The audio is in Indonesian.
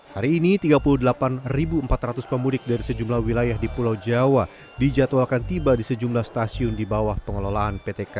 hari ini tiga puluh delapan empat ratus pemudik dari sejumlah wilayah di pulau jawa dijadwalkan tiba di sejumlah stasiun di bawah pengelolaan pt kai